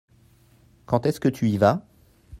Quand est-ce que tu y vas ?